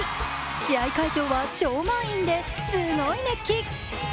試合会場は超満員ですごい熱気。